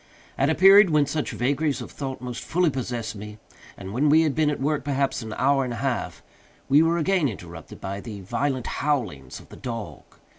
At a period when such vagaries of thought most fully possessed me, and when we had been at work perhaps an hour and a half, we were again interrupted by the violent howlings of the dog.